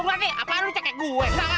ganti karna lo cekek gua ya